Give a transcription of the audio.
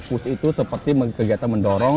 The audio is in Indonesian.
push itu seperti kegiatan mendorong